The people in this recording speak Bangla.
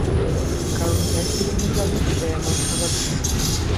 কারণ, বেশ কিছুদিন যাবৎ সে এমন খাবার খায়নি।